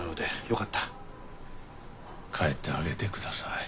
帰ってあげてください。